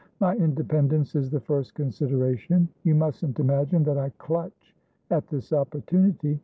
My independence is the first consideration. You mustn't imagine that I clutch at this opportunity.